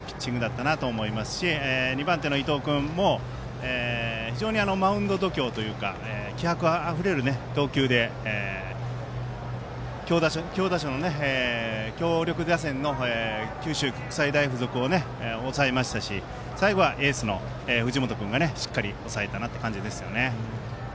持ち味を十分に生かしたピッチングだったと思いますし２番手の伊藤君も非常にマウンド度胸というか気迫あふれる投球で、強力打線の九州国際大付属を抑えましたし最後はエースの藤本君がしっかり抑えた感じですよね。